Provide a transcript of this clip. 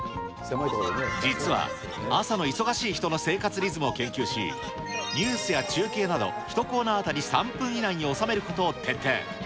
実は朝の忙しい人の生活リズムを研究し、ニュースや中継など、１コーナーあたり３分以内に収めることを徹底。